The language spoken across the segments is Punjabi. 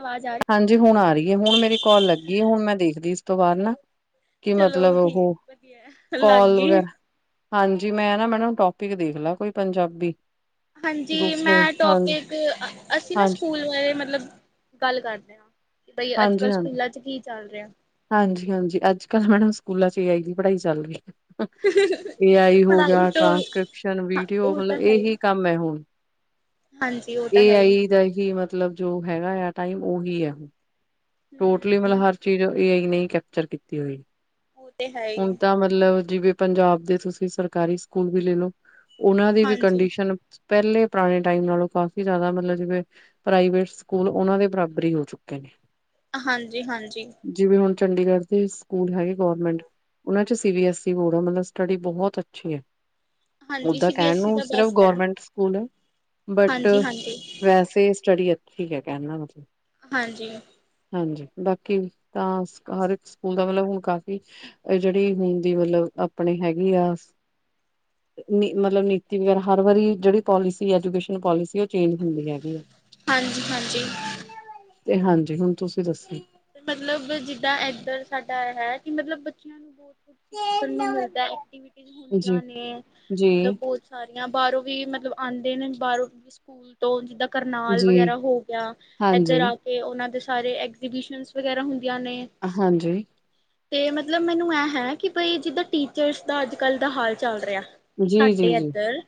ਆਵਾਜ਼ ਆ ਰਹੀ ਹਾਂਜੀ ਹੁਣ ਆ ਰਹੀ ਹੈ ਹੁਣ ਮੇਰੀ ਕੋਲ ਲੱਗੀ ਹੁਣ ਮੈਂ ਦੇਖਦੀ ਤੋਂ ਬਾਅਦ ਨਾ ਕਿ ਮਤਲਬ ਚਲੋ ਠੀਕ ਉਹ ਵਧੀਆ ਲੱਗ ਕਾਲ ਗਈ ਵਗੈਰਾ ਹਾਂਜੀ ਮੈਂ ਨਾ ਮੈ ਟੋਪਿਕ ਦੇਖ ਲਾ ਕੋਈ ਪੰਜਾਬੀ ਹਾਂਜੀ ਦੂਸਰੇ ਮੈਂ ਹਾਂਜੀ ਟੋਪਿਕ ਅਸੀਂ ਨਾ ਹਾਂਜੀ ਸਕੂਲ ਬਾਰੇ ਮਤਲਬ ਗੱਲ ਕਰਦੇ ਹ ਬਈ ਅੱਜ ਹਾਂਜੀ ਕੱਲ੍ਹ ਹਾਂਜੀ ਸਕੂਾਂ ਚ ਕੀ ਚੱਲ ਰਿਹਾ ਹਾਂਜੀ ਹਾਂਜੀ ਅੱਜ ਕੱਲ ਮੈਡਮ ਸਕੂਲਾਂ ਚ ਹੀ ਆਏਗੀ ਪੜ੍ਹਾਈ ਚੱਲ ਰਹੀ ਹੈ ਏ ਆਈ ਹੋ ਪੜ੍ਹਾਈ ਗਿਆ, ਤੋਂ ਟ੍ਰਾਂਸਕ੍ਰਿਪਸ਼ਨ ਹਾਂ ਵੀਡੀਓ ਉਹ ਤਾਂ ਮਤਲਬ ਹੈ ਹੀ ਇਹੀ ਕੰਮ ਹੈ ਹੁਣ ਹਾਂਜੀ ਉਹ ਤਾਂ ਇਹ ਹੈ ਹੀ ਆਈ ਦਾ ਹੀ ਮਤਲਬ ਮਤਲਬ ਜੋ ਹੈਗਾ ਆ ਟਾਈਮ ਉਹੀ ਹੈੁ ਟੋਟਲੀ ਮਤਲਬ ਹਮ ਹਰ ਚੀਜ਼ ਏ ਆਈ ਨੇ ਕੈਪਚਰ ਕੀਤੀ ਹੋਈ ਉਹ ਤੇ ਹੈ ਹੁਣ ਹੀ ਤਾਂ ਮਤਲਬ ਜਿਵੇਂ ਪੰਜਾਬ ਦੇ ਤੁਸੀਂ ਸਰਕਾਰੀ ਸਕੂਲ ਵੀ ਲੈ ਲਓ। ਉਹਨਾਂ ਦੀ ਵੀ ਹਾਂਜੀ ਕੰਡੀਸ਼ਨ ਪਹਿਲੇ ਪੁਰਾਣੇ ਟਾਈਮ ਨਾਲੋਂ ਕਾਫੀ ਜ਼ਿਆਦਾ ਮਤਲਬ ਜਿਵੇਂ ਪ੍ਰਾਈਵੇਟ ਸਕੂਲ ਉਹਨਾਂ ਦੇ ਬਰਾਬਰ ਹੀ ਹੋ ਚੁੱਕੇ ਨੇ। ਹਾਂਜੀ-ਹਾਂਜੀ। ਜਿਵੇਂ ਹੁਣ ਚੰਡੀਗੜ੍ਹ ਦੇ ਸਕੂਲ ਹੈਗੇ ਗੋਰਮੈਂਟ, ਉਨ੍ਹਾਂ 'ਚ C B S E board ਆ, ਮਤਲਬ ਸਟੱਡੀ ਬਹੁਤ ਅੱਛੀ ਆ। ਹਾਂਜੀ ਓਦਾਂ ਸੀ ਬੀ ਕਹਿਣ ਐੱਸ ਈ ਨੂੰ ਦਾ ਸਿਰਫ ਬੈਸਟ ਹੈ ਗੌਰਮੈਂਟ ਸਕੂਲ ਹੈ, ਬਟ ਹਾਂਜੀ ਹਾਂਜੀ ਵੈਸੇ ਸਟੱਡੀ ਇ ਠੀਕ ਹੈ, ਕਹਿਣ ਦਾ ਮਤਲਬ ਹਾਂਜੀ। ਹਾਂਜੀ, ਬਾਕੀ ਤਾਂ ਹਰ ਸਕੂਲ ਦਾ ਮਤਲਬ ਹੁ ਕਾਫੀ ਜਿਹੜੀ ਹਣ ਦੀ ਮਤਲਬ ਆਪਣੇ ਹੈਗੀ ਆ, ਮਤਲਬ ਨੀਤੀ ਵਗੈਰਾ ਹਰ ਵਾਰੀ ਜਿਹੜੀ ਪੋਲਿਸੀ, ਐਜੂਕੇਸ਼ਨ ਪੋਲਿਸੀ, ਉਹ ਚੇਂਜ ਹੁੰਦੀ ਹੈਗੀ ਆ। ਹਾਂਜੀ-ਹਾਂਜੀ। ਤੇ ਹਾਂਜੀ ਹੁਣ ਤੁਸੀਂ ਦੱਸੋ। ਤੇ ਮਤਲਬ ਜਿੱਦਾਂ ਇੱਧਰ ਸਾਡਾ ਹੈ। ਮਤਲਬ ਬੱਚਿਆਂ ਨੂੰ ਬਹੁਤ ਕੁ ਸਿੱਖਣ ਨੂੰ ਮਿਲਦਾ, ਐਕਟੀਵਿਟੀ ਜੀ ਹੁੰਦੀਆਂ ਨੇ ਮਤਲਬ ਜੀ ਬਹੁਤ ਸਾਰੀਆਂ ਬਾਹਰੋਂ ਵੀ ਮਤਲਬ ਆਉਂਦੇ ਨੇ, ਬਾਹਰੋਂ ਸਕੂਲ ਤੋਂ ਜਿੱਦਾਂ ਕਰਨਾਲ ਜੀ ਵਗੈਰਾ ਹੋ ਗਿਆ ਏਧਰ ਹਾਂਜੀ ਆ ਕੇ ਉਹਨਾਂ ਦੇ ਸਾਰੇ ਐਗਜ਼ੀਬਿਸ਼ਨ ਵਗੈਰਾ ਹੁੰ ਹਾਂਜੀ। ਤੇ ਮਤਲਬ ਮੈਨੂੰ ਇਹ ਹੈ ਕਿ, ਬਈ ਜਿੱਦਾਂ ਟੀਚਰਸ ਦਾ ਅੱਜ ਕੱਲ ਦਾ ਹਾਲ ਚੱਲ ਰਿਹਾ ਹੈ। ਕਿ ਜੀ ਸਾਡੇ ਜੀ ਜੀ ਇੱਧਰ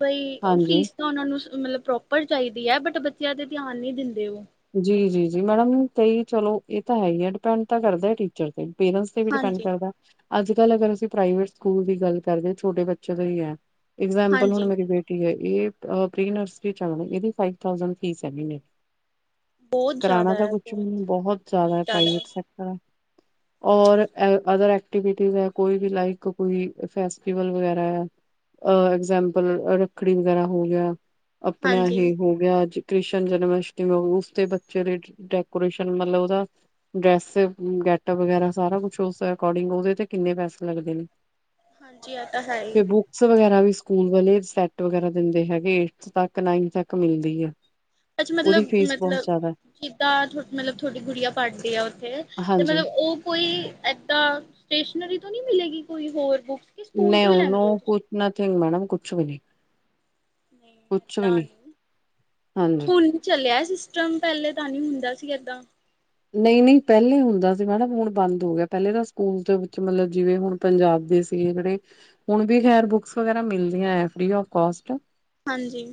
ਬਈ ਹਾਂਜੀ ਫੀਸ ਤਾਂ ਉਹਨਾ ਨੂੰ। ਮਤਲਬ ਪ੍ਰੋਪਰ ਚਾਹੀਦੀ ਹੈ, ਬਟ ਬੱਚਿਆਂ 'ਤੇ ਧਿਆਨ ਨਹੀਂ ਦਿੰਦੇ ਉਹ। ਜੀ, ਜੀ, ਜੀ, ਮੈਡਮ, ਕਈ ਚਲੋ ਇਹ ਤਾਂ ਹੈ ਹੀ ਹੈ ਡਿਪੈਂਡ ਤਾਂ ਕਰਦਾ ਟੀਚਰ ਤੇ। ਪੇਰੈਂਸ ਤੇ ਵੀ ਡਿਪੈਂਡ ਹਾਂਜੀ ਕਰਦਾ ਹੈ। ਅੱਜ ਕੱਲ੍ਹ ਅਗਰ ਅਸੀਂ ਪ੍ਰਵੇਟ ਸਕੂਲ ਦੀ ਗੱਲ ਕਰਦੇ ਹਾਂ ਛੋਟੇ ਬੱਚੇ ਤੋਂ ਹੀ ਹੈ। ਇਗਜਾਮਪਲ ਹੁਣ ਹਾਂਜੀ ਮੇਰੀ ਬੇਟੀ ਹੈ ਇਹ। ਇਹ ਪ੍ਰੀਸਰੀ 'ਚ ਆ ਹੁਣ ਇਹਦੀ ਫਾਈਵ ਥਾਊ ਜੈਟ ਫੀਸ ਹੈ, ਮਹੀਨੇ ਦੀ। ਬਹੁਤ ਕਰਾਣਾ ਜ਼ਿਆਦਾ ਤਾਂ ਹੈ ਕੁਛ ਵੀ ਬਹੁਤ ਨਹੀਂ ਬਹੁਤ ਜ਼ਿਆਦਾ ਹੈ, ਪ੍ਰਾਈਵੇਟ ਸੈਕਟਰ ਹੈ। ਔਰ ਅਦਰ ਐਕਟੀਵਿਟੀਜ਼ ਹੈ, ਕੋਈ ਵੀ ਲਾਈਕ ਕੋਈ ਫੈਸਟੀਵਲ ਵਗੈਰਾ ਹੈ, ਐਗਜਾਮਪਲ ਰੱਖੜੀ ਵਗੈਰਾ ਹੋ ਗਿਆ। ਆਪਣਾ ਹਾਂਜੀ ਇਹ ਹੋ ਗਿਆ ਅੱਜ। ਕ੍ਰਿਸ਼ਨ ਜਨਮਸ਼ਟਮੀ। ਤੇ ਉਸ ਬੱਚੇ ਦੇ ਡੈਕੋਰੇਸ਼ਨ ਮਤਲਬ ਉਹਦਾ ਡਰੈਸ ਗੈਟ ਵਗੈਰਾ ਸਾਰਾ ਕੁਛ ਉਸ ਅਕੋਰਡਿੰਗ ਉਹਦੇ ਤੇ ਕਿੰਨੇ ਪੈਸੇ ਲੱਗਦੇ ਨੇ। ਹਾਂਜੀ ਇਹ ਤਾਂ ਹੈ ਹੀ ਫਿਰ ਬੁੱਕਸ ਵਗੈਰਾ ਵੀ। ਸਕੂਲ ਵਾਲੇ ਸੈਟ ਵਗੈਰਾ ਦਿੰਦੇ ਹੈਗੇ, ਏਥੇ ਤੱਕ ਨਾਈਨਥ ਤੱਕ ਮਿਲਦੀ ਆ। ਇਹ 'ਚ ਮਤਲਬ ਮਤਲਬ ਜਿੱਦਾਂ ਮਤਲਬ ਥੋਡੀ ਗੁੱਡੀਆ ਪੜਦੀ ਆ ਉੱਥੇ ਹੈ। ਤੇ ਹਾਂਜੀ ਮਤਲਬ ਉਹ ਕੋਈ ਏਦਾਂ ਸਟੇਸ਼ਨਰੀ। ਉੱਥੋਂ ਨੀ ਮਿਲੇਗੀ ਕੋਈ ਹੋਰ ਬੁਕ ਮੈਂ ਉਹ ਨੂੰ ਕੁਝ ਨਥਿੰਗ ਮੈਡਮ ਕੁਛ ਵੀ ਨਹੀਂ। ਨਹੀਂ ਕੁਛ ਵੀ ਏਦਾਂ ਨਹੀਂ ਨੀ ਹਾਂਜੀ ਹੁਣ ਚੱਲਿਆ ਐ। ਸਿਸਟਮ ਪਹਿਲੇ ਤਾਂ ਨਹੀ ਹੁੰਦਾ ਸੀ ਏਦਾਂ। ਨਹੀਂ ਨਹੀਂ ਪਹਿਲੇ ਹੁੰਦਾ ਸੀ ਮੈਡਮ ਹੁਣ ਬੰਦ ਹੋ ਗਿਆ ਪਹਿਲੇ ਤਾਂ ਸਕੂਲ ਦੇ ਵਿੱਚ ਮਤਲਬ ਜਿਵੇ ਹੁਣ ਪੰਜਾਬ ਦੇ ਸੀ ਜਿਹੜੇ ਹੁਣ ਵੀ ਖ਼ੈਰ ਬੁੱਕਸ ਵਗੈਰਾ ਮਿਲਦੀਆਂ ਫ੍ਰੀ ਅਫਕੋਸਟ। ਹਾਂਜੀ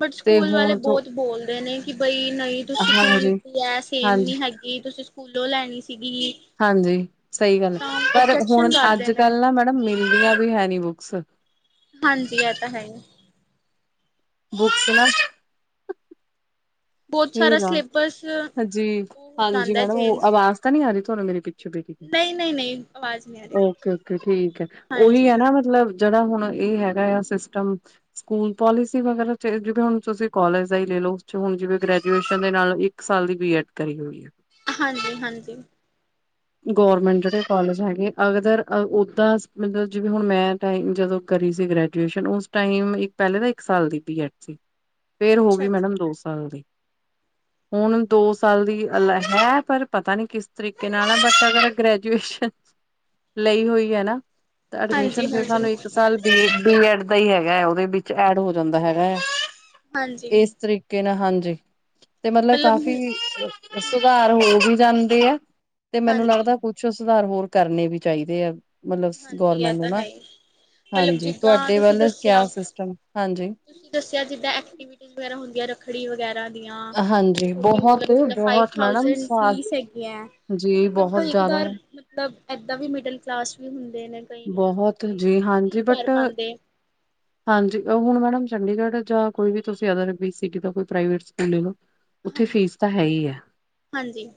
ਬਟ ਸਕੂਲ ਵਾਲੇ ਤੋਂ ਬਹੁਤ ਬੋਲਦੇ ਨੇ? ਕਿ ਬਈ ਨਹੀਂ ਤੁਸੀਂ ਕਿਉਂ ਹਾਂਜੀ-ਹਾਂਜੀ, ਲਿੱਤੀ ਹੈ ਸੇਮ ਹਾਂਜੀ ਨਹੀ ਹੈਗੀ ਤੁਸੀਂ ਸਕੂਲੋਂ ਲੈਣੀ ਸੀਗੀ ਹਾਂਜੀ ਸਹੀ ਗੱਲ ਹੈ। ਤਾਂ ਪਰ ਓਬਜੈਕਸ਼ਨ ਹੁਣ ਕਰਦੇ ਨੇ? ਅੱਜ-ਕੱਲ੍ਹ ਨਾ ਮੈਡਮ ਮਿਲਦੀਆਂ ਵੀ ਹੈ ਨੀ ਬੁੱਕਸ ਹਾਂਜੀ ਇਹ ਤਾਂ ਹੈ ਹੀ। ਬੁੱਕਸ ਨਾ। ਬਹੁਤ ਇਹ ਸਾਰਾ ਲਾ ਸਿਲੇਬਸ ਉਹ ਹਾਂਜੀ ਹੋ ਹਾਂਜੀ ਜਾਂਦਾ ਮੈਡਮ ਉਹ ਚੇਂਜ ਆਵਾਜ਼ ਤਾਂ ਨੀ ਆ ਰਹੀ ਤੁਹਾਨੂੰ ਮੇਰੇ ਪਿੱਛੇ ਬੈਠ ਕੋਈ ਨਹੀਂ ਨਹੀਂ ਨਹੀਂ ਆਵਾਜ਼ ਨਹੀਂ ਆ ਰਹੀ ਓਕੇ ਓਕੇ ਠੀਕ ਹੈ ਉਹੀ ਹੈ ਹਾਂਜੀ ਨਾ ਮਤਲਬ। ਜਿਹੜਾ ਹੁਣ ਇਹ ਹੈਗਾ ਆ ਸਿਸਟਮ ਸਕੂਲ ਪੋਲਿਸੀ ਵਗੈਰਾ ਜਿਵੇਂ ਹੁਣ ਤੁਸੀਂ ਕੋਲਜ ਦਾ ਹੀ ਲੈ ਲਓ ਉਸ ਚ ਹੁਣ ਜਿਵੇਂ ਗ੍ਰੈਜੂਏਸ਼ਨ। ਗ੍ਰੈਜੂਏਸ਼ਨ ਦੇ ਨਾਲ ਇੱਕ ਸਾਲ ਦੀ ਬੀ ਐਡ ਕਰੀ ਹੋਈ ਹੈ। ਹਾਂਜੀ ਹਾਂਜੀ। ਗੌਰਮੈਂਟ ਜਿਹੜੇ ਕੋਲਜ ਹੈਗੇ ਅਗਦਰਰ ਉਦਾਂ ਮਤਲਬ ਜਿਵੇਂ ਹੁਣ ਮੈਂ ਟਾਈਮ ਜਦੋਂ ਕਰੀ ਸੀ ਗ੍ਰੈਜੂਏਸ਼ਨ ਉਸ ਟਾਈਮ ਇੱਕ ਪਹਿਲੇ ਤੇ ਇੱਕ ਸਾਲ ਦੀ ਬੀ ਐਡ ਸੀ। ਫੇਰ ਹੋ ਅੱਛਾ ਗਈ ਅੱਛਾ ਮੈਡਮ ਦੋ ਸਾਲ ਦੀ? ਹੁਣ ਦੋ ਸਾਲ ਦੀ ਅਲੱਗ ਹੈ ਪਰ ਪਤਾ ਨਹੀਂ ਕਿਸ ਤਰੀਕੇ ਨਾਲ ਬਟ ਅਗਰ ਗ੍ਰੈਜੂਏਸ਼ਨ ਲਈ ਹੋਈ ਹੈ ਨਾ। ਤਾ ਐਡਮਿਸ਼ਨ ਹਾਂਜੀ ਫਿਰ ਹਾਂਜੀ ਸਾਨੂੰ ਇੱਕ ਸਾਲ ਬੀ ਬੀ ਐੱਡ। ਇਦਾ ਹੀ ਹੈਗਾ ਹੈ ਉਹਦੇ ਵਿੱਚ ਐਡ ਹੋ ਜਾਂਦਾ ਹੈਗਾ ਹੈ। ਹਾਂਜੀ ਇਸ ਤਰੀਕੇ ਨਾਲ ਹਾਂਜੀ ਤੇ ਮਤਲਬ ਕਾਫ਼ੀ ਹਮ ਸੁਧਾਰ ਹੋ ਵਿ ਜਾਂਦਾ [unintelligible] ਤੇ ਮੈਨੂੰ ਹਾਂਜੀ ਲੱਗਦਾ ਕੁੱਛ ਸੁਧਾਰ ਹੋਰ ਕਰਨੇ ਵੀ ਚਾਹੀਦੇ ਆ ਮਤਲਬ ਹਾਂਜੀ ਇਹ ਗੌਰਮੈਂਟ ਨੂੰ ਤਾਂ ਨਾ ਹੈ ਹੀ ਮਤਲਬ ਹਾਂਜੀ ਜਿੱਦਾਂ ਤੁਹਾਡੇ ਤੁਸੀਂ ਵੱਲ ਦੱਸਿਆ ਕਿਆ ਸਿਸਟਮ ਹਾਂਜੀ ਤੁਸੀਂ ਦੱਸਿਆ ਜਿੱਦਾਂ ਐਕਟੀਵਿਟੀ ਵਗੈਰਾ ਹੁੰਦੀਆਂ ਰੱਖੜੀ ਵਗੈਰਾ ਹਾਲੇ ਹਾਂਜੀ ਤੁੋ ਬਹੁਤ ਮਤਲਬ ਜਿੱਦਾਂ ਫਾਇਫ ਬਹੁਤ ਮੈਡਮ ਠਾੳਜੇਨ ਸਾ ਫੀਸ ਹੈਗੀ ਆ ਤੇ ਜੀ ਮਤਲਬ ਬਹੁਤ ਕਈ ਜ਼ਿਆਦਾ ਕਦਾਰ ਹੈ ਮਤਲਬ ਇੱਦਾਂ ਵੀ ਮਿਡਲ ਕਲਾਸ ਹ ਹ ਦੇ ਨੇ ਕਈ ਲੋਕ ਬਹੁਤ ਕਈ ਜੀ ਨਹੀਂ ਹਾਂਜੀ ਕਰ ਬਟ ਪਾਉਂਦੇ ਹਾਂਜੀ ਹੁਣ ਮੈਡਮ ਚੰਡੀਗੜ੍ਹ ਜਾਂ ਕੋਈ ਵੀ ਤੁਸੀਂ ਅਦਰ ਬਦਿਕ ਦਾ ਕੋਈ ਪ੍ਰਾਈਵੇਟ ਸਕੂਲਿੰਗ ਉੱਥੇ ਹਾਂਜੀ ਫ਼ੀਸ ਤਾਂ ਹੈ ਹੀ ਹੈ ਹਾਂਜੀ,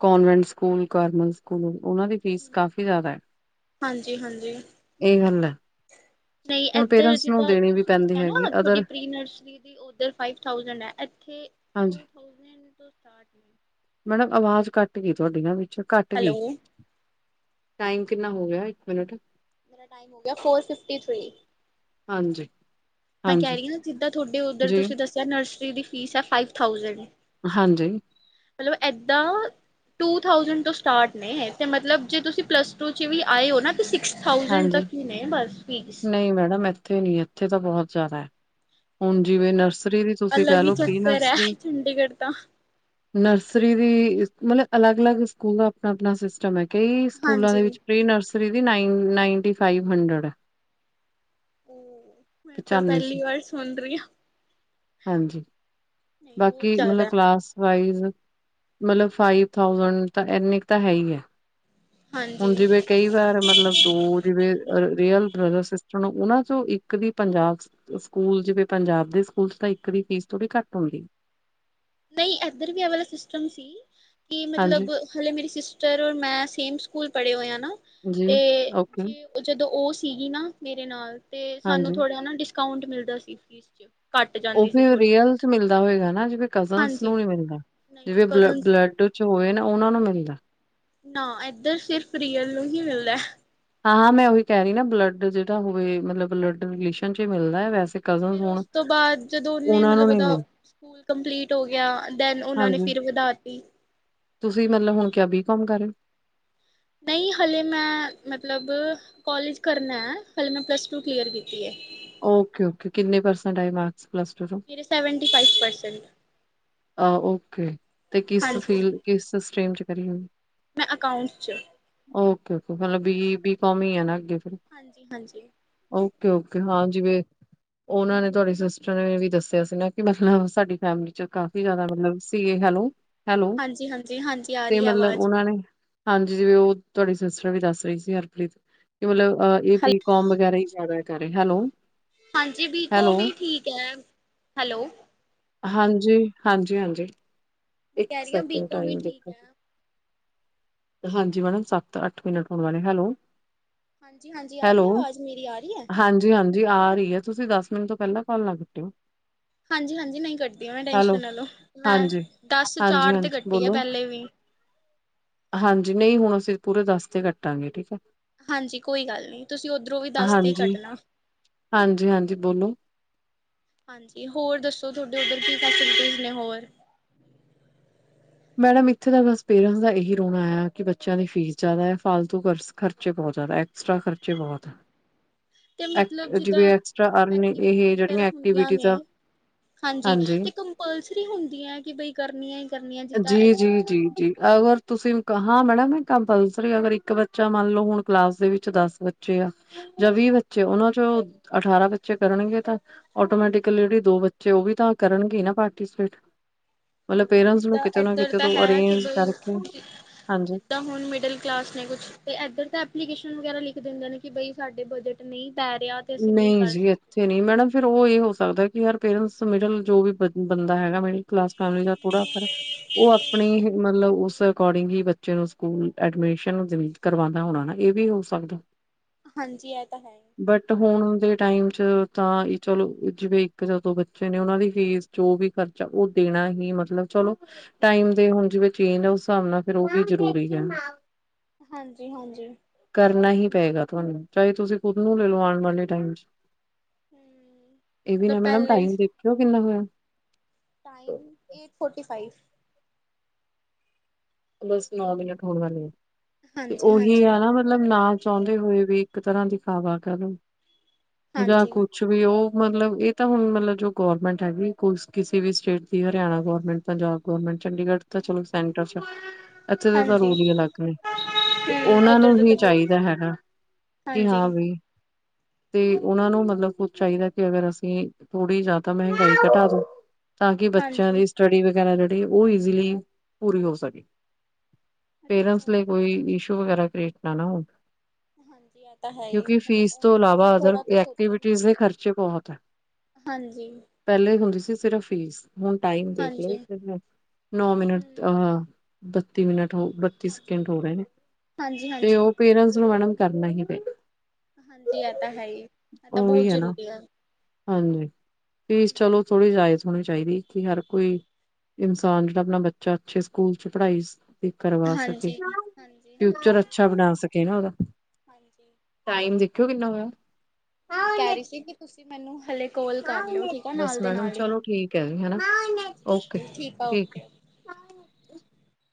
ਕਨਵੈਂਟ ਸਕੂਲ ਕਾਰਮਲ ਸਕੂਲ ਉਹਨਾਂ ਦੀ ਫੀਸ ਕਾਫ਼ੀ ਜ਼ਿਆਦਾ ਹੈ ਹਾਂਜੀ, ਹਾਂਜੀ। ਇਹ ਗੱਲ ਹੈ ਨਹੀਂ ਹੁਣ ਇੱਧਰ ਪੇਰੈਂਟਸ ਨੂੰ ਜਿੱਦਾਂ ਦੇਣੀ ਵੀ ਤੁਸੀਂ ਪੈਂਦੀ ਦੱਸਿਆ ਨਾ ਹੈਗੀ ਤੁਹਾਡੀ ਅਦਰ ਪ੍ਰੀ ਨਰਸਰੀ ਦੀ ਉੱਧਰ ਫਾਈਵ ਥਾਊਜੈਂਡ ਹੈ ਇੱਥੇ ਹਾਂਜੀ ਟੂ ਥਾਊਜੈਂਡ ਤੋਂ ਸਟਾਰਟ ਨੇ। ਮੈਡਮ ਆਵਾਜ਼ ਘੱਟ ਗਈ ਤੁਹਾਡੀ ਨਾ ਵੀ। ਘੱਟ ਗੀ। ਹੈਲੋ ਟਾਈਮ ਕਿੰਨਾ ਹੋ ਗਿਆ ਇੱਕ ਮਿੰਨਟ ਮੇਰਾ ਟਾਈਮ ਹੋ ਗਿਆ ਫੋਰ ਫਿਫਟੀ ਥ੍ਰਰੀ। ਹਾਂਜੀ, ਮੈਂ ਕਹਿ ਹਾਂਜੀ ਰਹੀ ਹਾਂ ਨਾ ਜਿੱਦਾਂ ਤੁਹਾਡੇ ਉੱਧਰ ਜੀ ਤੁਸੀਂ ਦੱਸਿਆ ਨਰਸ ਰੀ ਦੀ ਫੀਸ ਹੈ ਫਾਈਵ ਥਾਊਜੈਂਡ। ਹਾਂਜੀ, ਮਤਲਬ ਏਦਾਂ ਟੂ ਥਾਊਜੈਂਡ ਤੋਂ ਸਟਾਰਟ ਨੇ ਤੇ ਮਤਲਬ ਜੇ ਤੁਸੀਂ ਪਲੱਸ ਟੂ ਚ ਵੀ ਆਏ ਹੋ ਨਾ ਸਿਕਸ ਥਾਊਸੈਂਡ ਹਾਂਜੀ, ਤੱਕ ਹੀ ਨੇ ਬਸ ਫੀਸ ਨਹੀਂ ਮੈਡਮ ਇੱਥੇ ਨੀ ਇੱਥੇ ਤਾਂ ਬਹੁਤ ਜਾਦਾ ਐ। ਉੱਥੇ ਫਿਰ ਕਹਿ ਅਲੱਗ ਹੀ ਲਓ ਪ੍ਰੀ ਚੱਕਰ ਐ ਨਰਸਰੀ ਚੰਡੀਗੜ੍ਹ ਤਾਂ ਨਰਸਰੀ ਦੀ ਮਤਲਬ ਅਲੱਗ -ਅਲੱਗ ਸਕੂਲ ਦਾ ਆਪਣਾ ਆਪਣਾ ਸਿਸਟਮ ਐ। ਕਈ ਸਕੂਲਾਂ ਦੇ ਹਾਂਜੀ ਵਿੱਚ ਪ੍ਰੀ ਨਰਸ ਰੀ ਦੀ ਨਾਈਨ ਨਾਈਨਟੀ ਫਾਈਵ ਹੰਡਰਡ ਹੈ। ਉਹ ਮੈਂ ਤਾਂ ਪਚਾਨਵੇਂ ਸੌ ਪਹਿਲੀ ਵਾਰ ਸੁਣ ਰਹੀ ਹਾਂ ਹਾਂਜੀ, ਨਹੀਂ ਬਹੁਤ ਬਾਕੀ ਮਤਲਬ ਜ਼ਿਆਦਾ ਹੈ ਕਲਾਸ ਵਾਈਜ਼ ਮਤਲਬ ਫਾਈਵ ਥਾਊਸੈਂਡ ਤਾਂ ਇੰਨੇ ਕੁ ਤਾਂ ਹੈ ਹੀ ਹੈ। ਹੁਣ ਹਾਂਜੀ ਜਿਵੇਂ ਕਈ ਵਾਰ ਮਤਲਬ ਦੋ ਜਿਵੇਂ ਰੀਅਲ ਬ੍ਰਦਰ ਸਿਸਟਰ ਨੂੰ ਉਹਨਾਂ ਚੋਂ ਇੱਕ ਦੀ ਪੰਜਾਬ ਸਕੂਲ ਜਿਵੇਂ ਪੰਜਾਬ ਦੇ ਸਕੂਲ ਚ ਤਾਂ ਇੱਕ ਦੀ ਫੀਸ ਥੋੜ੍ਹੀ ਘੱਟ ਹੁੰਦੀ। ਨਹੀਂ ਏਧਰ ਵੀ ਆ ਵਾਲਾ ਸਿਸਟਮ ਸੀ। ਕਿ ਹਾਂਜੀ ਮਤਲਬ ਹਾਲੇ ਮੇਰੀ ਸਿਸਟਰ ਔਰ ਮੈਂ ਸੇਮ ਸਕੂਲ ਸਕੂਲ ਪੜੇ ਹੋਏ ਆ। ਜੀ ਤੇ ਓਕੇ ਜੇ ਜਦੋਂ ਉਸ ਸੀਗੀ ਨਾ ਮੇਰੇ ਨਾਲ ਤੇ ਸਾਨੂੰ ਹਾਂਜੀ ਥੋੜਾ ਨਾ ਡਿਸ ਕਾਊਂਟ ਮਿਲਦਾ ਸੀ ਫੀਸ ਚ। ਘੱਟ ਉਹ ਜਾਂਦੀ ਸੀ ਫੇਰ ਥੋੜ੍ਹੀ ਫੀਸ ਰੀਅਲ ਚ ਮਿਲਦਾ ਹੋਏਗਾ ਨਾ ਜਿਵੇ ਕਜ਼ਨਸ ਨੂੰ ਹਾਂਜੀ ਨੀ ਮਿਲਦਾ, ਨਹੀਂ ਜਿਵੇਂ ਕਜ਼ਨ ਬਲੱਡ ਚ ਹੋਏ ਨਾ ਉਹਨਾਂ ਨੂੰ ਮਿਲ ਓਦਾ ਨਾਂ ਏਧਰ ਸਿਰਫ ਰੀਅਲ ਨੂੰ ਹੀ ਮਿਲਦਾ। ਹਾਂਹਾਂ, ਮੈਂ ਉਹੀ ਕਹਿ ਰਹੀ ਨਾਂ ਬਲੱਡ ਜਿਹੜਾ ਹੋਵੇ ਮਤਲਬ ਬਲਡ ਰਿਲੇਸ਼ਨ ਚ ਮਿਲਦਾ ਐ, ਵੈਸੇ ਕਜ਼ਨਸ ਫਿਰ ਹੋਣ ਉਸ ਤੋਂ ਬਾਅਦ ਜਦੋਂ ਉਹਨੇ ਉਹਨਾਂ ਨੂੰ ਮਤਲਬ ਨੀਂ ਉਹਦਾ ਮਿਲ। ਸਕੂਲ ਕੰਪਲੀਟ ਹੋ ਗਿਆ ਦੈਨ ਉਹਨਾਂ ਨੇ ਹਾਂਜੀ, ਫਿਰ ਵਧਾਤੀ ਤੁਸੀਂ ਮਤਲਬ ਹੁਣ ਕਿਆ ਬੀ ਕਮ ਕਰ ਰਹੇ ਹੋ। ਨਈਂ ਹਾਲੇ ਮੈਂ ਮਤਲਬ ਕਾਲਜ ਕਰਨਾ ਐ, ਹਾਲੇ ਮੈਂ ਪਲੱਸ ਟੂ ਕਲੀਅਰ ਕੀਤੀ ਏ। ਓਕੇ, ਓਕੇ, ਕਿੰਨੇ ਪਰਸੈਂਟ ਆਈ ਮਾਰਕਸ ਪਲੱਸ ਟੂ ਚੋਂ ਮੇਰੇ ਸੈਵਨਟੀ ਫਾਈਵ ਪਰਸੈਂਟ। ਆਹ ਓਕੇ ਤੇ ਕਿਸ ਹਾਂਜੀ ਫੀਲ ਕਿਸ ਸਟੀ੍ਮ ਚ ਕਰੀ ਏ? ਮੈਂ ਅਕਾਊਂਟ 'ਚ ਓਕੇ ਓਕੇ, ਮਤਲਬ ਕੋਮਰਸ ਬੀ ਬੀ ਕੌਮ ਈ ਆ ਨਾਂ ਅੱਗੇ ਫਿਰ ਹਾਂਜੀ ਹਾਂਜੀ ਓਕੇ ਓਕੇ। ਹਾਂ, ਜਿਵੇਂ ਉਹਨਾਂ ਨੇ ਤੁਹਾਡੇ ਸਿਸਟਰ ਨੇ ਵੀ ਦੱਸਿਆ ਸੀ ਨਾਂ ਕਿ ਮਤਲਬ ਸਾਡੀ ਫੈਮਿਲੀ ਚ ਕਾਫ ਜ਼ਿਆਦਾ ਮਤਲਬ ਸੀਗੇ ਹੈਲੋ। ਹਾਂਜੀ, ਹਾਂਜੀ ਹਾਂਜੀ ਆ ਤੇ ਰਹੀ ਐ ਮਤਲਬ ਆਵਾਜ਼ ਉਹਨਾਂ ਨੇ ਹਾਂਜੀ ਜਿ ਉਹ ਤੁਹਾਡੀ ਸਿਸਟਰ ਵੀ ਦੱਸ ਰਹੀ ਸੀ ਹਰਪ੍ਰੀਤ ਮਤਲਬਹ ਇਹ ਬੀ ਕੋਮ ਵਗੈਰਾ ਹੀ ਜ਼ਿਆਦਾ ਕਰ ਹੈਲੋ ਹਾਂਜੀ ਬੀ ਹੈਲੋ ਕੌਮ ਹੀ ਠੀਕ ਐ, ਹੈਲੋ ਹਾਂਜੀ। ਹਾਂਜੀ ਹਾਂਜੀ। ਮੈਂ ਕਹਿ ਇੱਕ ਰਹੀ ਹਾਂ ਸੈਕਿੰਡ ਬੀਕੋਮ ਹੀ ਟਾਈਮ ਠੀਕ ਦੇਖਣ ਹੈ। ਹਾਂਜੀ, ਮੈਡਮ ਸੱਤ-ਅੱਠ ਮਿੰਟ ਹੋਣ ਵਾਲੇ, ਹੈਲੋ! ਹਾਂਜੀ ਹਾਂਜੀ ਆ ਰਹੀ ਐ, ਆਵਾਜ਼ ਮੇਰੀ ਆ ਰਹੀ ਐ। ਜੀ ਆ ਰਹੀ ਐ, ਤੁਸੀਂ ਦਸ ਮਿੰਟ ਤੋਂ ਪਹਿਲਾਂ ਕਾਲ ਨਾਂ ਕੱਟਿਓ। ਹਾਂਜੀ, ਹਾਂਜੀ ਨਈਂ ਕੱਟਦੀ ਆ ਮੈਂ ਹੈਲੋ ਟੈਸ਼ਨ ਨਾਂ ਲੋ, ਮੈਂ ਹਾਂਜੀ ਦਸ ਹਾਂਜੀ ਚਾਰ ਤੇ ਹਾਂਜੀ ਕੱਟੀ ਆ ਬੋਲੋ ਪਹਿਲੇ ਵੀ। ਹਾਂਜੀ, ਨਈਂ ਹੁਣ ਅਸੀਂ ਪੂਰੇ ਦੱਸ ਤੇ ਕੱਟਾਂਗੇ ਠੀਕ ਐ। ਹਾਂਜੀ, ਕੋਈ ਗੱਲ ਨੀਂ ਤੁਸੀਂ ਉੱਧਰੋਂ ਵੀ ਦਸ ਤੇ ਹਾਂਜੀ ਕੱਟਣਾ। ਹਾਂਜੀ-ਹਾਂਜੀ ਬੋਲੋ। ਹਾਂਜੀ, ਹੋਰ ਦੱਸੋ ਤੁਹਾਡੇ ਉੱਧਰ ਕੀ ਫੈਸਿਲਿਟੀਜ਼ ਨੇ ਹੋਰ। ਮੈਡਮ ਇੱਥੇ ਦਾ ਬਸ ਪੇਰੈਂਟਸ ਦਾ ਇਹੀ ਰੋਣਾ ਆ ਕਿ ਬੱਚਿਆਂ ਦੀ ਫ਼ੀਸ ਜ਼ਿਆਦਾ ਫਾਲਤੂ ਖਰਚੇ ਬਹੁਤ ਜ਼ਿਆਦਾ, ਐਕਸਟਰਾ ਖਰਚੇ ਬਹੁਤ ਹੈ। ਤੇ ਮਤਲਬ ਜਿਦਾਂ ਐਕਟੀਵਿਟੀਜ ਇਹ ਵਗੈਰਾ ਜਿਹੜੀਆਂ ਹੁੰਦੀਆਂ ਐਕਟੀਵਿਟੀਜ਼ ਨੇਂ, ਆ ਹਾਂਜੀ, ਤੇ ਕੰਪਲਸਰੀ ਹੁੰਦੀਆ ਐਕਿ ਬਈ ਕਰਨੀਆਂ ਉ ਕਰਨੀਆਂ। ਜੀ, ਜਿੱਦਾਂ ਇੱਧਰ ਜੀ, ਤਾਂ ਜੀ, ਜੀ ਅਗਰ ਤੁਸੀਂ ਹਾਂ, ਮੈਡਮ ਕੰਪਲਸਰੀ ਅਗਰ ਇੱਕ ਬੱਚਾ ਮੰਨ ਲੋ ਹੁਣ ਕਲਾਸ ਦੇ ਵਿੱਚ ਦਸ ਬੱਚੇ ਆ ਜਾਂ ਵੀਹ ਬੱਚੇ ਉਹਨਾ ਚੋਂ ਅਠਾਰਾਂ ਬੱਚੇ ਕਰਨਗੇ ਤਾਂ ਆਟੋਮੈਟਿਕਲੀ ਜਿਹੜੇ ਦੋ ਬੱਚੇ ਉਹ ਵੀ ਤਾਂ ਕਰਨਗੇ ਨਾਂ ਪਾਰਟੀਸਪੇਟ ਮਤਲਬ ਪੇਰੈਂਟਸ ਨੂੰ ਜਿੱਦਾਂ ਕਿਤੇ ਨਾ ਇੱਧਰ ਕਿਤੇ ਤਾਂ ਤੋਂ ਹੈ ਕਿ ਅਰੇਂਜ ਕਰਕੇ ਕੇਵਲ ਹਾਂਜੀ। ਜਿੱਦਾਂ ਹੁਣ ਮਿਡਲ ਕਲਾਸ ਨੇਂ ਕੁਛ ਤੇ ਇੱਧਰ ਦਾ ਐਪਲੀਕੇਸ਼ਨ ਸ਼ਨ ਵਗੈਰਾ ਲਿਖ ਦਿੰਦੇ ਨੇਂ ਕਿ ਬਈ ਸਾਡੇ ਬਜਟ ਨਈਂ। ਨਈਂ ਜੀ ਇੱਥੇ ਨਈਂ, ਮੈਡਮ ਫਿਰ ਉਹ ਇਹ ਹੋ ਸਕਦਾ ਯਾਰ ਪੇਰੈਂਟਸ ਮਿਡਲ ਜੋ ਵੀ ਬੰਦਾ ਹੈਗਾ ਮਿਡਲ ਕਲਾਸ ਫੈਮਲੀ ਦਾ ਥੋੜਾ ਫ ਉਹ ਆਪਣੀ ਮਤਲਬ, ਅਕੋਡਿੰਗ ਹੀ ਬੱਚੇ ਨੂੰ ਸਕੂਲ ਐਡਮਿਸ਼ਨ ਕਰਵਾਉਦਾ ਹੋਣਾ ਨਾ ਇਹ ਵੀ ਹੋ ਸਕਦਾ। ਹਾਂਜੀ ਇਹ ਤਾਂ ਹੈ ਹੀ। ਬਟ ਹੁਣ ਦੇ ਟਾਈਮ ਚ ਤਾਂ ਚਲੋ ਜਿਵੇ ਇੱਕ ਜਾਂ ਦੋ ਬੱਚੇ ਨੇ ਓਨਾ ਦੀ ਫੀਸ ਜੋ ਵੀ ਖਰਚਾ ਉਹ ਦੇਣਾ ਹੀ ਮਤਲਬ ਚਲੋ ਟਾਈਮ ਦੇ ਹੁਣ ਜਿਵੇ ਚੇਂਜ ਆ ਉਸ ਹਿਸਾਬ ਨਾਲ ਵੀ ਜਰੂਰੀ ਹੈ, ਹਾਂਜੀ, ਹਾਂਜੀ, ਕਰਨਾ ਹੀ ਪਏਗਾ ਤੁਹਾਨੂੰ ਚਾਹੇ ਤੁਸੀਂ ਖੁਦ ਨੂੰ ਲੈ ਹਮ ਲਓ ਆ ਦੇ ਟਾਈਮ ਚ, ਇਹ ਵੀ ਮਤਲਬ ਨਾ ਮੈਡਮ, ਪਹਿਲਾਂ ਹੀ ਟਾਈਮ ਦੇਖਿਓ ਕਿੰਨਾ ਹੋਇਆ, ਟਾਈਮ, ਏਟ ਫੋਰਟੀ ਫਾਈਵ। ਬਸ ਨੌ ਮਿੰਟ ਹੋਣ ਵਾਲੇ ਆ। ਤੇ ਉਹੀ ਹਾਂਜੀ-ਹਾਂਜੀ, ਹੈ ਨਾ ਮਤਲਬ ਨਾ ਚਾਹੁੰਦੇ ਹੋਏ ਵੀ ਇੱਕ ਤਰ੍ਹਾਂ ਦੀ ਖਾਵਾ ਕਹਿ ਲਓ। ਜਾਂ ਹਾਂਜੀ। ਕੁਛ ਵੀ ਉਹ ਮਤਲਬ, ਇਹ ਤਾਂ ਹੁਣ ਮਤਲਬ ਜੋ ਗੌਰਮੈਂਟ ਹੈਗੀ ਕੋਈ ਕਿਸੇ ਵੀ ਸਟੇਟ ਦੀ ਹਰਿਆਣਾ ਗੌਰਮੈਂਟ ਪੰਜਾਬ ਗੌਰਮੈਂਟ ਚੰਡੀਗੜ੍ਹ ਤਾਂ ਚਲੋ ਸੈਂਟਰ, ਇੱਥੇ ਦੇ ਤਾਂ ਹਾਂਜੀ, ਰੂਲ ਹੀ ਅਲੱਗ ਨੇ, ਤੇ ਹੂੰ ਉਹਨਾਂ ਉੱਧਰ ਨੂੰ ਦਾ ਵੀ ਤਾਂ ਬਹੁਤ ਚਾਹੀਦਾ ਹੈਗਾ, ਕਿ ਹਾਂ ਹਾਂਜੀ-ਹਾਂਜੀ। ਬਈ ਤੇ ਉਹਨਾਂ ਨੂੰ ਮਤਲਬ ਕੁਛ ਚਾਹੀਦਾ ਕਿ ਅਗਰ ਅਸੀਂ, ਥੋੜ੍ਹੀ ਜਾਂ ਤਾਂ ਮਹਿੰਗਾਈ ਘਟਾ ਦੋ ਤਾਂ ਕਿ ਬੱਚਿਆਂ ਦੀ ਸਟੱਡੀ ਵਗੈਰ ਉਹ ਇਜ਼ੀਲੀ ਪੂਰੀ ਹੋ ਸਕੇ। ਪੇਰੈਂਟਸ ਅੱਛਾ, ਲਈ ਕੋਈਸ਼ ਵਗੈਰਾ [unintelligible] ਨਾ। ਹਾਂਜੀ ਇਹ ਤਾਂ ਹੈ ਹੀ ਕਿਉਂਕਿ ਮਤਲਬ ਫੀਸ ਉਹ ਤੋਂ ਉਹ ਵੀ ਇਲਾਵਾ ਅਦਰ ਥੋੜਾ ਤਾਂ ਸੋਚਣ ਕਿ ਐਕਟੀਵਿਟੀਜ਼ ਦੇ ਬਈ ਖਰਚੇ ਬਹੁਤ ਹੈ। ਹਾਂਜੀ। ਸਿਰਫ਼ ਫੀਸ ਹੁਣ ਟਾਈਮ ਦੇਖ ਲਓ ਨੌ ਮਿੰਟ ਹੂੰ, ਅਹ ਬੱਤੀ ਮਿੰਟ ਹੋ ਬੱਤੀ ਹਾਂਜੀ। ਸੈਕਿੰਡ ਹੋ ਰਹੇ ਨੇ ਹਾਂਜੀ-ਹਾਂਜੀ, ਤੇ ਉਹ ਪੇਰੈਂਟਸ ਮਣਨ ਕਰਨਾ ਹੀ ਪ ਹਾਂਜੀ ਇਹ ਤਾਂ ਹੈ ਹੀ ਇਹ ਤਾਂ ਬਹੁਤ ਉਹੀ ਹੈ ਨਾ ਜ਼ਰੂਰੀ ਆ। ਹਾਂਜੀ। ਫੀਸ ਚਲੋ ਥੋੜੀ ਜਾਇਜ਼। ਹੋਣੀ ਚਾਹੀਦੀ ਕਿ ਹਰ ਕੋਈ ਇਨਸਾਨ ਜਿਹੜਾ ਆਪਣਾ ਬੱਚਾ ਅੱਛੇ ਸਕੂਲ [unintelligible] ਕਰਵਾ ਸਕੇ ਹਾਂਜੀ-ਹਾਂਜੀ-ਹਾਂਜੀ, ਹਾਂਜੀ। ਫਿਊਚਰ ਅੱਛਾ ਹਾਂਜੀ ਬਣਾ ਸਕੇ ਨਾ ਉਹਦਾ ਹਾਂਜੀ ਟਾਈਮ ਦੇਖਿਓ ਕਿੰਨਾ ਹੋਇਆ? ਮੈਂ ਕਹਿ ਰਹੀ ਸੀ ਕਿ ਤੁਸੀਂ ਮੈਨੂੰ ਹਾਲੇ। ਬਸ ਮੈਡਮ ਚਲੋ ਠੀਕ ਹੈ ਜੀ ਹਨ ਓਕੇ ਹਾਂਜੀ-ਹਾਂਜੀ, ਆ ਠੀਕ। ਓਕੇ-ਓਕੇ।